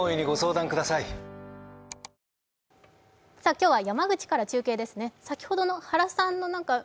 今日は山口から中継ですね。